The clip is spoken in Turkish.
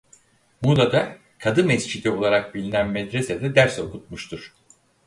Muğla'da Kadı Mescidi olarak bilinen medresede ders okutmuştur.